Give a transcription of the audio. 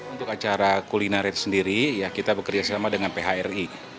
untuk acara kuliner sendiri ya kita bekerjasama dengan phri